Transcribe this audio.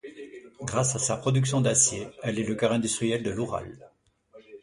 Grâce à sa production d'acier, elle est le cœur industriel de l'Oural.